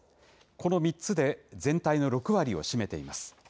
この３つで全体の６割を占めています。